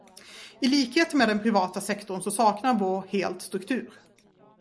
I likhet med den privata sektorn så saknar vår helt struktur.